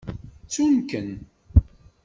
Ttun-ken.